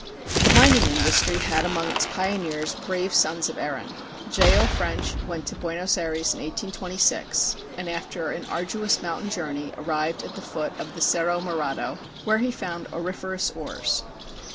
The mining industry had among its pioneers brave sons of Erin. J. O. French went to Buenos Ayres in 1826, and after an arduous mountain journey arrived at the foot of the Cerro Morado, where he found auriferous ores.